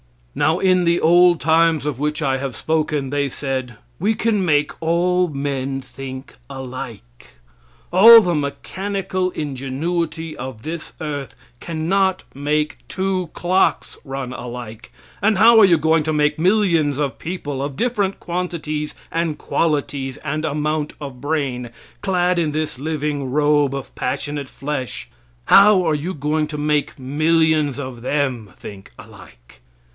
Now in the old times of which I have spoken, they said, "We can make all men think alike." All the mechanical ingenuity of this earth cannot make two clocks run alike, and how are you going to make millions of people of different quantities and qualities and amount of brain, clad in this living robe of passionate flesh how are you going to make millions of them think alike?